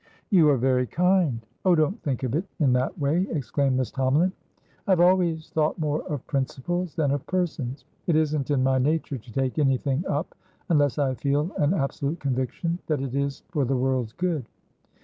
"You are very kind!" "Oh, don't think of it in that way!" exclaimed Miss Tomalin. "I have always thought more of principles than of persons. It isn't in my nature to take anything up unless I feel an absolute conviction that it is for the world's good.